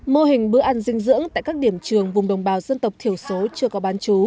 mô hình bữa ăn dinh dưỡng tại các điểm trường vùng đồng bào dân tộc thiểu số chưa có bán chú